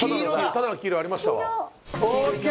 ただの黄色ありましたわＯＫ！